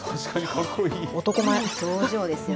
男前。